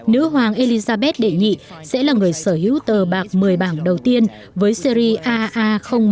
nữ hoàng elizabeth đệ nhị sẽ là người sở hữu tờ bạc một mươi bảng đầu tiên với series aa một một